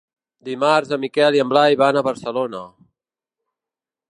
Dimarts en Miquel i en Blai van a Barcelona.